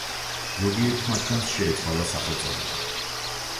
ზოგიერთ მათგანს შეეცვალა სახელწოდება.